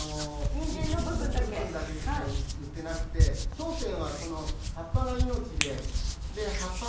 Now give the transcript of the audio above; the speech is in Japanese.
ニンジンの部分だけしか売ってなくて当店はこの葉っぱが命で。